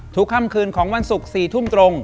ค่ำคืนของวันศุกร์๔ทุ่มตรง